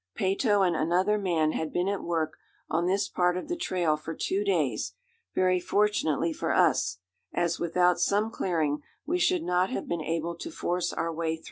Peyto and another man had been at work on this part of the trail for two days, very fortunately for us, as without some clearing we should not have been able to force our way through.